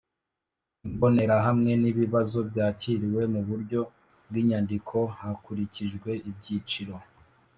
Imbonerahamwe n Ibibazo byakiriwe mu buryo bw inyandiko hakurikijwe ibyiciro